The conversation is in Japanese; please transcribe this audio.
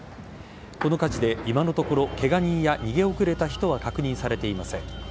この火事で、今のところケガ人や逃げ遅れた人は確認されていません。